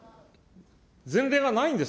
前例がないんです、